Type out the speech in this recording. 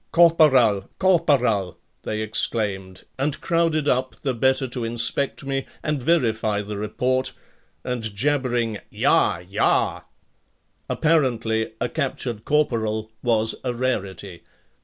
"Korporal! Korporal!" they exclaimed and crowded up the better to inspect me and verify the report, and jabbering "Ja! Ja!" Apparently a captured corporal was a rarity.